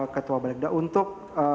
ketua balegda untuk